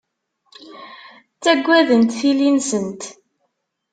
Ttaggadent tili-nsent.